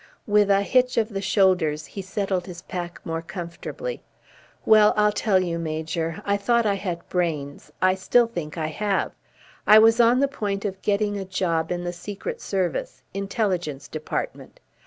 With a hitch of the shoulders he settled his pack more comfortably. "Well, I'll tell you, Major. I thought I had brains. I still think I have. I was on the point of getting a job in the Secret Service Intelligence Department.